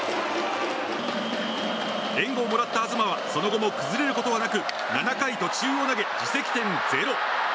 援護をもらった東はその後も崩れることなく７回途中を投げ自責点０。